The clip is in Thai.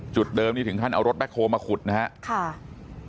จุดเดิมนี่ถึงขั้นเอารถแบ็คโฮลมาขุดนะครับ